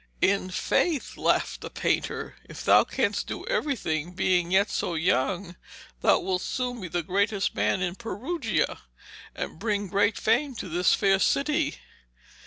'In faith,' laughed the painter, 'if thou canst do everything, being yet so young, thou wilt soon be the greatest man in Perugia, and bring great fame to this fair city.